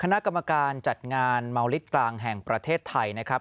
คณะกรรมการจัดงานเมาลิสต์กลางแห่งประเทศไทยนะครับ